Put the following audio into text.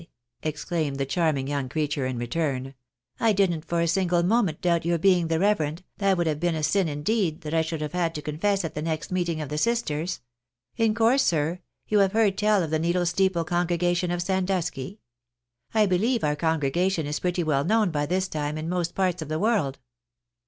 exclaimed the charming young creature in return, " I didn't for a single moment doubt your being the reverend, that would have been a sin indeed, that I should have had to confess at the next meeting of the sisters. In course, sir, you have heard tell of the Needle Steeple congregation of Sandusky? I beUeve our congregation is pretty well known by this time in most parts of the world."